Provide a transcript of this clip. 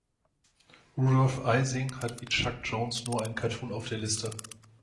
Rudolf Ising hat wie Chuck Jones nur einen Cartoon auf der Liste.